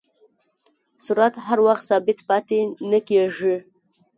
سرعت هر وخت ثابت پاتې نه کېږي.